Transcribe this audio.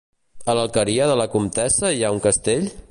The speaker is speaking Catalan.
A l'Alqueria de la Comtessa hi ha un castell?